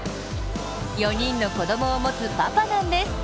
４人の子どもを持つパパなんです。